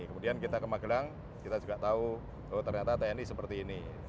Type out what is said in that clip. kemudian kita ke magelang kita juga tahu oh ternyata tni seperti ini